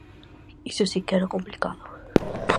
Iso si que era complicado.